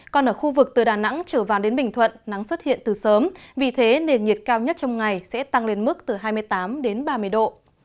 còn ở khu vực từ đà nẵng trở vào đến bình thuận nắng xuất hiện từ sớm vì thế nền nhiệt cao nhất trong ngày sẽ tăng lên mức từ hai mươi tám đến ba mươi độ